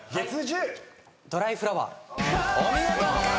『ドライフラワー』お見事。